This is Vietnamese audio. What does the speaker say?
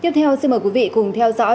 tiếp theo xin mời quý vị cùng theo dõi